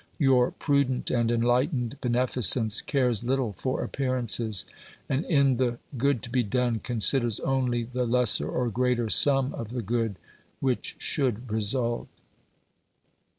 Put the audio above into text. Your prudent and enlightened beneficence cares little for appearances, and in the good to be done considers only the lesser or greater sum of the good which should result.